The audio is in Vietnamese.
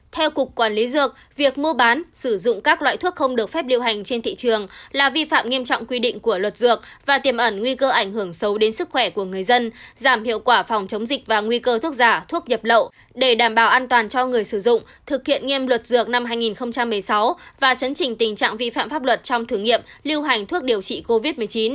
theo cục quản lý dược việc mua bán sử dụng các loại thuốc không được phép điều hành trên thị trường là vi phạm nghiêm trọng quy định của luật dược và tiềm ẩn nguy cơ ảnh hưởng xấu đến sức khỏe của người dân giảm hiệu quả phòng chống dịch và nguy cơ thuốc giả thuốc nhập lậu để đảm bảo an toàn cho người sử dụng thực hiện nghiêm luật dược năm hai nghìn một mươi sáu và chấn trình tình trạng vi phạm pháp luật trong thử nghiệm liêu hành thuốc điều trị covid một mươi chín